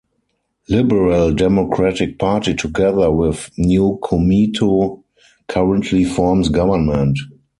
Liberal Democratic Party together with New Komeito currently forms government.